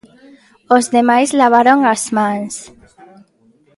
Os demais lavaron as mans.